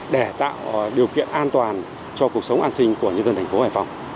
để tạo điều kiện an toàn cho cuộc sống an sinh của nhân dân thành phố hải phòng